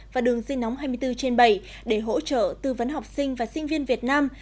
và đường dây nóng hai mươi bốn trên bảy để hỗ trợ tư vấn học sinh và sinh viên việt nam